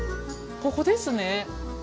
ここですね。